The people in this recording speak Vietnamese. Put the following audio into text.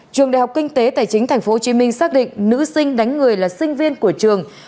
trường đại học kinh tế tài chính tp hcm xác định nữ sinh đánh người là sinh viên của trường